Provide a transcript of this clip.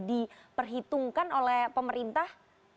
diperhitungkan oleh pemerintah